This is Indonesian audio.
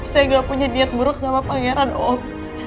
saya gak punya niat buruk sama pangeran om